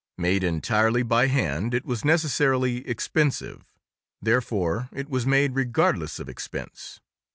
Made entirely by hand, it was necessarily expensive; therefore, it was made regardless of expense.